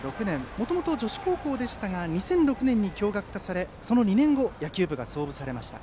もともと女子高校でしたが２００６年に共学化され、その２年後野球部が創部されました。